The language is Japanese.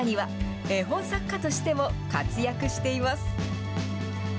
さらには、絵本作家としても活躍しています。